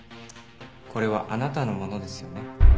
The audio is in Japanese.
これはあなたのものですよね？